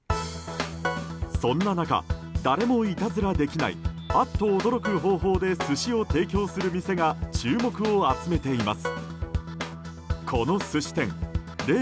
そんな中、誰もいたずらできないアッと驚く方法で寿司を提供する店が注目を集めています。